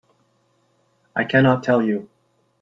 I cannot tell you.